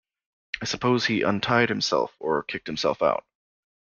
I suppose he untied himself or kicked himself out.